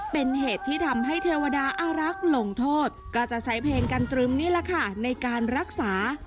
เป็นเหตุที่ทำให้เทวดาอารักษ์หลงโทษก็จะใช้เพลงกันตรึมนี่แหละค่ะในการรักษา